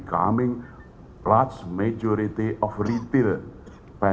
kebanyakan aset finansial retail